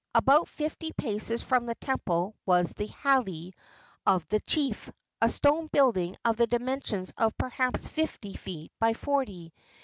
About fifty paces from the temple was the hale of the chief a stone building of the dimensions of perhaps fifty feet by forty.